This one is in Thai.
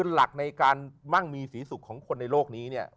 หลักในการมั่งมีศรีสุขของคนในโลกนี้เนี่ย